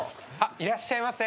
いらっしゃいませ。